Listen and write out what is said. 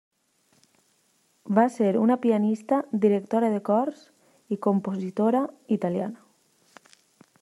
Va ser una pianista, directora de cors i compositora italiana.